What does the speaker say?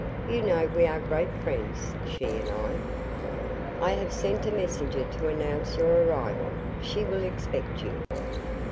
"You know we are great friends, she and I." "I have sent a messenger to announce your arrival. She will expect you."